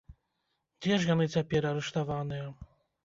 Дзе ж яны цяпер, арыштаваныя?